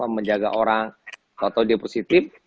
menjaga orang atau dia positif